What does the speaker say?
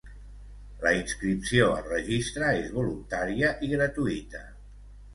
La inscripció al Registre és voluntària i gratuïta.